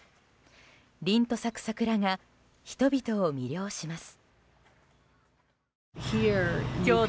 凛と咲く桜が人々を魅了します。